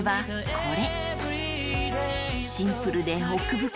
これ。